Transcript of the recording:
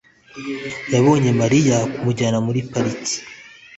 yabonye Mariya kumujyana muri pariki